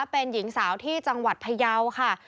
เป็นหญิงสาวที่จังหวัดพยาวค่ะ